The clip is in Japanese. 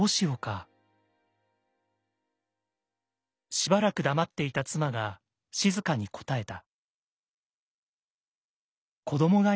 しばらく黙っていた妻が静かに答えた。